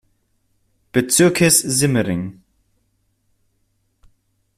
Bezirkes Simmering.